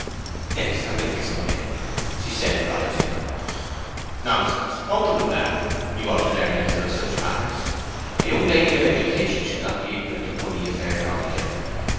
"Yes, I will, some day," said she, rising. "Nonsense, open them now. You ought to learn a little of such matters. A young lady of education should not be ignorant of money affairs altogether.